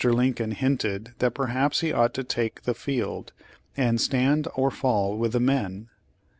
Lincoln hinted that perhaps he ought to take the field, and "stand or fall with the men."